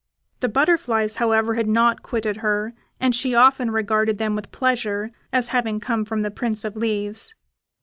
The butterflies, however, had not quitted her, and she often regarded them with pleasure as having come from the Prince of Leaves.